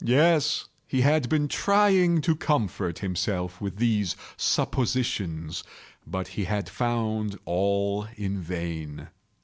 Yes, he had been trying to comfort himself with these suppositions: but he had found all in vain.